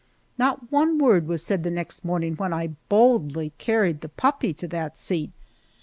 Not one word was said the next morning when I boldly carried the puppy to that seat.